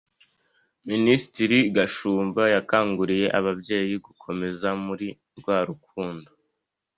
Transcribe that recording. Minisitiri Gashumba yakanguriye ababyeyi gukomeza muri rwa rukundo